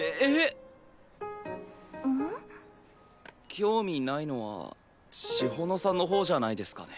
興味ないのは詩帆乃さんの方じゃないですかね。